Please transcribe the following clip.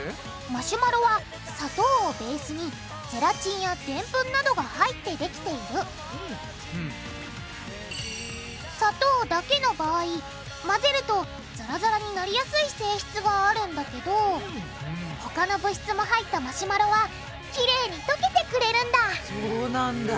マシュマロは砂糖をベースにゼラチンやデンプンなどが入ってできている砂糖だけの場合混ぜるとザラザラになりやすい性質があるんだけど他の物質も入ったマシュマロはきれいにとけてくれるんだそうなんだ。